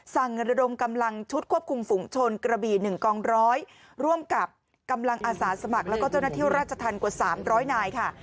ระดมกำลังชุดควบคุมฝุงชนกระบี่๑กองร้อยร่วมกับกำลังอาสาสมัครแล้วก็เจ้าหน้าที่ราชธรรมกว่า๓๐๐นายค่ะ